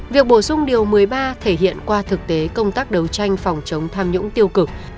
việc bổ sung điều một mươi ba thể hiện qua thực tế công tác đấu tranh phòng chống tham nhũng tiêu cực